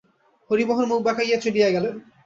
হরিমোহন মুখ বাঁকাইয়া চলিয়া গেলেন।